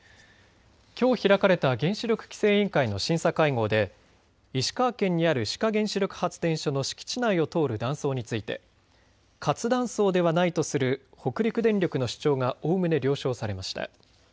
きょう開かれた原子力規制委員会の審査会合で石川県にある志賀原子力発電所の敷地内を通る断層について活断層ではないとする北陸電力の主張がおおむね了承されました。